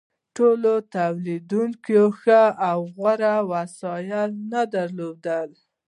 ټولو تولیدونکو ښه او غوره وسایل نه درلودل.